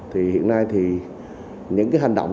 thì hiện nay thì những cái hành động